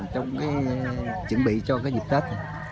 trong cái chuẩn bị cho dịp tết